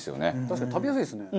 確かに食べやすいですね。